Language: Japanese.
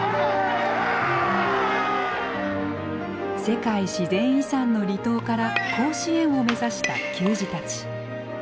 世界自然遺産の離島から甲子園を目指した球児たち。